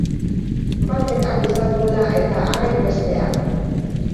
Batek hau esan duela eta harek bestea.